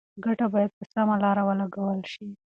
ګټه باید په سمه لاره ولګول شي.